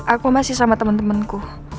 aku masih sama temen temenku